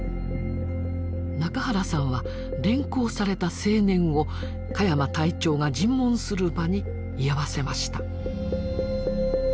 仲原さんは連行された青年を鹿山隊長が尋問する場に居合わせました。